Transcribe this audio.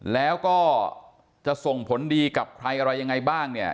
แล้วก็จะส่งผลดีกับใครอะไรยังไงบ้างเนี่ย